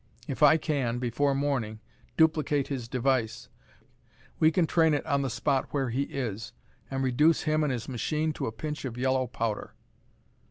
If I can, before morning, duplicate his device, we can train it on the spot where he is and reduce him and his machine to a pinch of yellow powder."